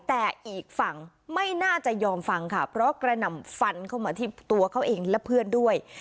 แต่อีกฝั่งไม่น่าจะยอมฟังค่ะเพราะกระหน่ำฟันเข้ามาที่ตัวเขาเองและเพื่อนด้วย